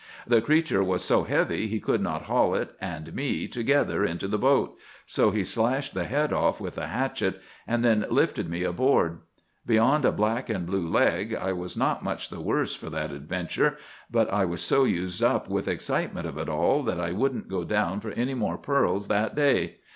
The creature was so heavy he could not haul it and me together into the boat; so he slashed the head off with a hatchet, and then lifted me aboard. Beyond a black and blue leg, I was not much the worse for that adventure; but I was so used up with the excitement of it all that I wouldn't go down for any more pearls that day.